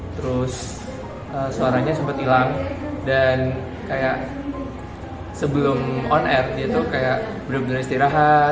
terus suaranya sempat hilang dan kayak sebelum on air itu kayak bener bener istirahat